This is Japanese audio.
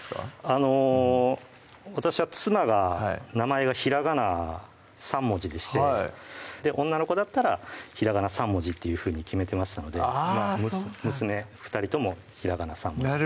あの私は妻が名前がひらがな３文字でして女の子だったらひらがな３文字というふうに決めてましたのであそうなんだ娘